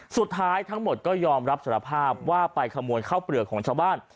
สุดท้ายทั้งหมดก็ยอมรับสารภาพว่าไปขโมยข้าวเปลือกของชาวบ้าน